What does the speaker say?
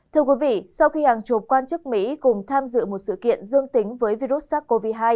thưa quý vị sau khi hàng chục quan chức mỹ cùng tham dự một sự kiện dương tính với virus sars cov hai